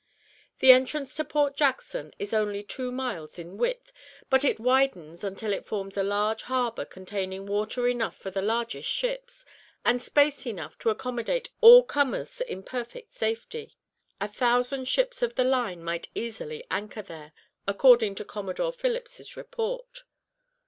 The entrance to Port Jackson is only two miles in width, but it widens until it forms a large harbour containing water enough for the largest ships, and space enough to accommodate all comers in perfect safety. A thousand ships of the line might easily anchor there, according to Commodore Philips' report.